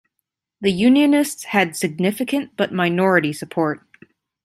The Unionists had significant but minority support.